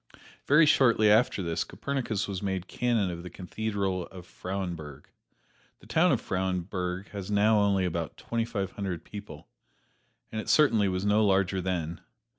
Very shortly after this Copernicus was made Canon of the Cathedral at Frauenburg. The town of Frauenburg has now only about twenty five hundred people, and it certainly was no larger then.